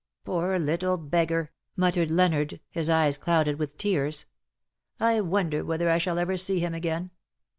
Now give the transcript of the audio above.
" Poor little beggar V^ muttered Leonard, his eyes 78 DUST TO DUST. clouded with tears. "I wonder whether I shall ever see him again.